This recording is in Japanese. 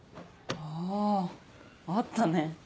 ああったね。